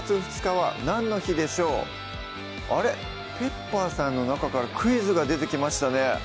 ペッパーさんの中からクイズが出てきましたね